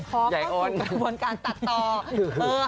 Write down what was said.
ขอก็อยู่กับการตัดต่อ